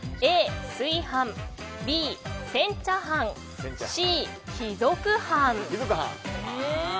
Ａ、水飯Ｂ、煎茶飯Ｃ、貴族飯。